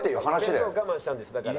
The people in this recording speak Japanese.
「弁当我慢したんですだから」。